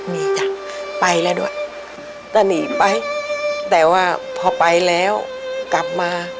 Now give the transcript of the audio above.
มีจ้ะไปแล้วด้วยก็หนีไปแต่ว่าพอไปแล้วกลับมา